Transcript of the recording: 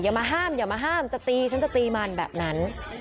อย่ามาห้ามอย่ามาห้ามจะตีฉันจะตีมันแบบนั้น